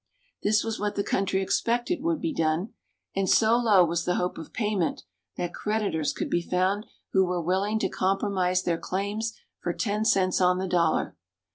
This was what the country expected would be done; and so low was the hope of payment that creditors could be found who were willing to compromise their claims for ten cents on the dollar.